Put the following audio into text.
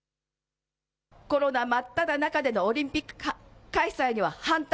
コロナ真っただ中でのオリンピック開催は反対。